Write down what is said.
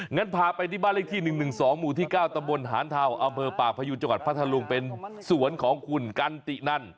งั้นพาไปที่บ้านเลขที่๑๑๒หมู่ที่๙ตะบนหารเทาอภัยูจังหวัดพระธรุงเป็นสวนของคุณกันตินั่น